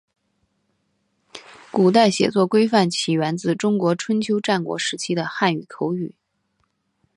古代写作规范起源自中国春秋战国时期的汉语口语。